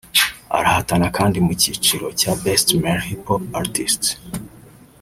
arahatana kandi mu cyiciro cya Best Male Hip Hop Artist